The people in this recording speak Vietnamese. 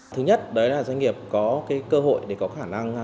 thứ nhất đấy là doanh nghiệp có cơ hội để có khả năng